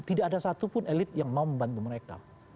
tidak ada satupun elit yang mau membantu mereka